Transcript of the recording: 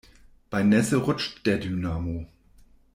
Bei Nässe rutscht der Dynamo.